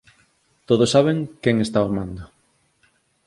Todos saben quen está ao mando.